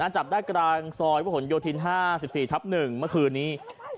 จับได้กลางซอยพระหลโยธิน๕๔ทับ๑เมื่อคืนนี้